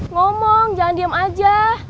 ngomong jangan diem aja